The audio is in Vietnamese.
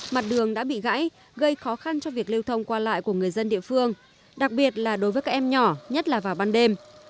mặt đường đã bị gãy gây khó khăn cho việc lưu thông qua lại của người dân địa phương đặc biệt là đối với các em nhỏ nhất là vào ban đêm